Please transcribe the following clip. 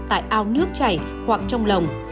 tại ao nước chảy hoặc trong lồng